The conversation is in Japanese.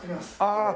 ああ。